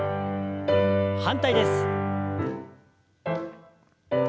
反対です。